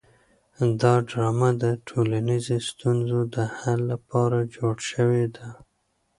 دا ډرامه د ټولنیزو ستونزو د حل لپاره جوړه شوې ده.